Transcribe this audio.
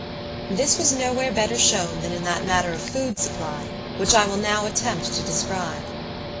This was nowhere better shown than in that matter of food supply, which I will now attempt to describe.